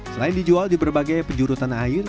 selain dijual di berbagai penjuru tanah air